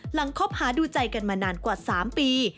คบหาดูใจกันมานานกว่า๓ปี